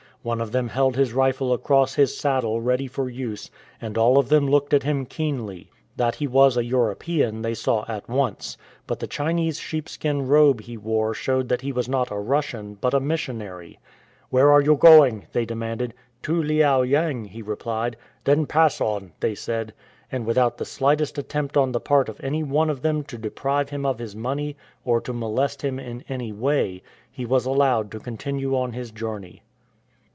One of them held his rifle across his saddle ready for use, and all of them looked at him keenly. That he was a European they saw at once, but the Chinese sheepskin robe he wore showed that he was not a Russian, but a missionary, "Where are you going ?" they demanded. " To Liao yang,"*"* he re plied. "Then pass on,*" they said. And without the slightest attempt on the part of any one of them to deprive him of his money or to molest him in any way, he was allowed to continue on his journey.